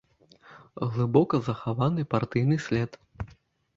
Глыбока захаваны партыйны след.